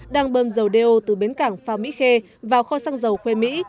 đang bơm dầu đeo từ bến cảng phào mỹ khê vào kho săng dầu khuê mỹ